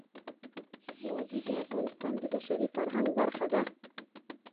وادي د افغانستان د بشري فرهنګ برخه ده.